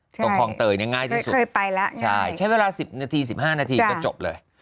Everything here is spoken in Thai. ตรงคลองเตยเนี่ยง่ายที่สุดเคยไปแล้วใช่ใช้เวลา๑๐นาที๑๕นาทีก็จบเลย